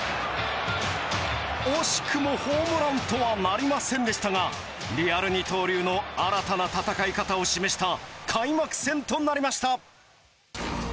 惜しくもホームランとはなりませんでしたが「リアル二刀流」の新たな戦い方を示した開幕戦となりました。